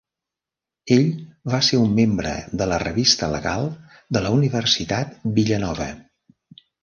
Ell va ser un membre de la Revista Legal de la Universitat Villanova.